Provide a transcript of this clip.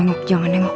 jangan jangan nengok